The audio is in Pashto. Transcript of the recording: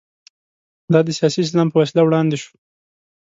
دا د سیاسي اسلام په وسیله وړاندې شو.